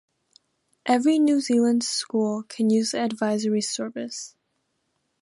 Every New Zealand school can use the Advisory Service.